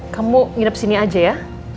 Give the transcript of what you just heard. kamu tidur disini aja ya